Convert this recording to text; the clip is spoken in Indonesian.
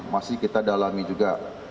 masih kita dalami juga